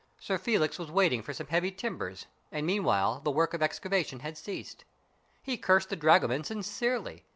Sir Felix was waiting for some heavy timbers, and meanwhile the work of excavation had ceased. He cursed the dragoman sincerely.